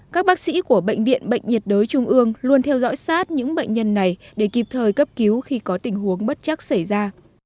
các bác sĩ của bệnh viện bệnh nhiệt đới trung ương luôn theo dõi sát những bệnh nhân này để kịp thời cấp cứu khi có tình huống bất chắc xảy ra